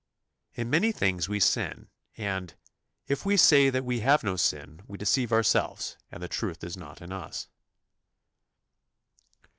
In many things we sin, and "If we say that we have no sin, we deceive ourselves, and the truth is not in us."